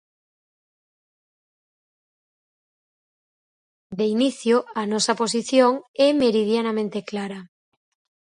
De inicio, a nosa posición é meridianamente clara.